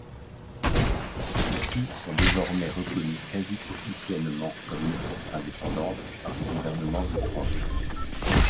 Ceux-ci sont désormais reconnus quasi officiellement comme une force indépendante par les gouvernements étrangers.